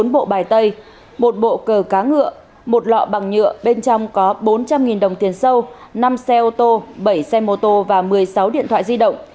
bốn bộ bài tay một bộ cờ cá ngựa một lọ bằng nhựa bên trong có bốn trăm linh đồng tiền sâu năm xe ô tô bảy xe mô tô và một mươi sáu điện thoại di động